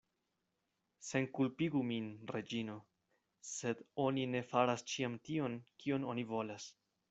Senkulpigu min, Reĝino: sed oni ne faras ĉiam tion, kion oni volas.